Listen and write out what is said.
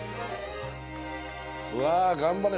うわ頑張れ。